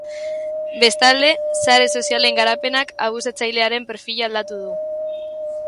Bestalde, sare sozialen garapenak abusatzailearen perfila aldatu du.